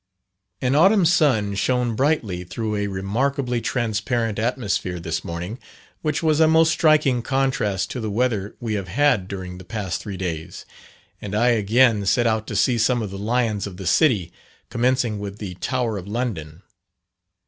An autumn sun shone brightly through a remarkably transparent atmosphere this morning, which was a most striking contrast to the weather we have had during the past three days; and I again set out to see some of the lions of the city, commencing with the Tower of London.